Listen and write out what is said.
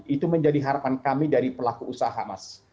itu menjadi harapan kami dari pelaku usaha mas